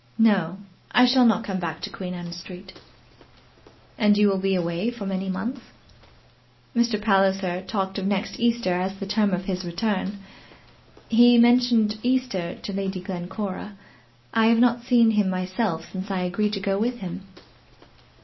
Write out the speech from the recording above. "No; I shall not come back to Queen Anne Street." "And you will be away for many months?" "Mr. Palliser talked of next Easter as the term of his return. He mentioned Easter to Lady Glencora. I have not seen him myself since I agreed to go with him."